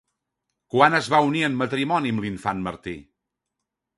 Quan es va unir en matrimoni amb l'infant Martí?